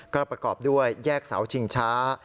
ก็ประกอบด้วยแยกเสาชิงช้า